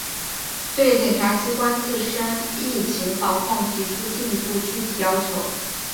对检察机关自身疫情防控提出进一步具体要求